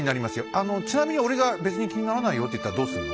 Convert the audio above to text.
あのちなみに俺が「別に気にならないよ」と言ったらどうすんの？